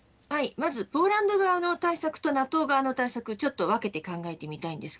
まずポーランド側の対策とＮＡＴＯ側の対策を分けて考えてみます。